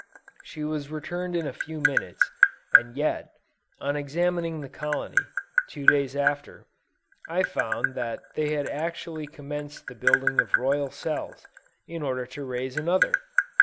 She was returned in a few minutes, and yet, on examining the colony, two days after, I found that they had actually commenced the building of royal cells, in order to raise another!